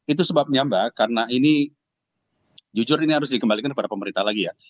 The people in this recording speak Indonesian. itu sebabnya mbak karena ini jujur ini harus dikembalikan kepada pemerintah lagi ya